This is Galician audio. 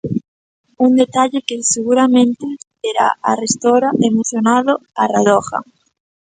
Un detalle que seguramente terá arestora emocionado a Radoja.